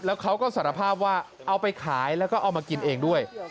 แล้วเขาก็สารภาพว่าเอาไปขายแล้วก็เอามากินเองด้วย